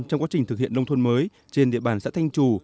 trong quá trình thực hiện nông thôn mới trên địa bàn xã thanh trù